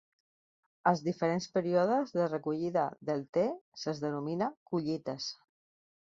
Als diferents períodes de recollida del te, se'ls denomina "collites".